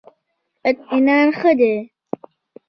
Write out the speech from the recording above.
اطمینان ښه دی.